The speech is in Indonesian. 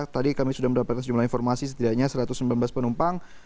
tadi kami sudah mendapatkan sejumlah informasi setidaknya satu ratus sembilan belas penumpang